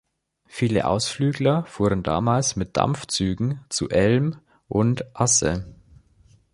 Viele Ausflügler fuhren damals mit den Dampfzügen zu Elm und Asse.